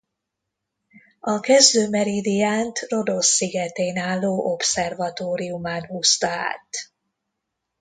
A kezdő meridiánt Rodosz szigetén álló obszervatóriumán húzta át.